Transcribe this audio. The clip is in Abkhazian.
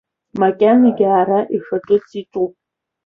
Макьанагьы аара ишаҿыц иаҿуп.